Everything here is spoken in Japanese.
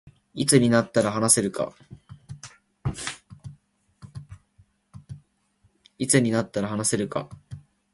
いつになったら話せるか